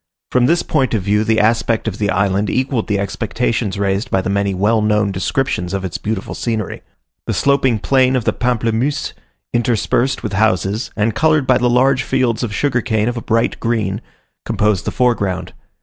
From this point of view the aspect of the island equalled the expectations raised by the many well known descriptions of its beautiful scenery. The sloping plain of the Pamplemousses, interspersed with houses, and coloured by the large fields of sugar cane of a bright green, composed the foreground.